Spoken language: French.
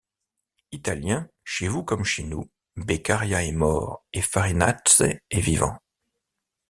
Italiens, chez vous comme chez nous, Beccaria est mort et Farinace est vivant.